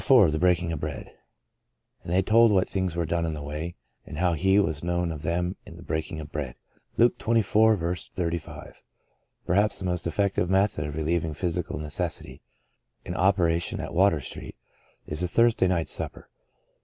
IV THE BREAKING OF THE BREAD "And they told what things were done in the way, and how He was known of them in the breaking of bread." — Luke xxiv. jj". PERHAPS the most effective method of relieving physical necessity, in opera tion at Water Street, is the Thursday night supper.